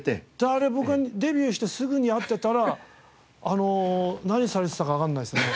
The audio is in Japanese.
あれ僕デビューしてすぐに会ってたら何されてたかわかんないですね。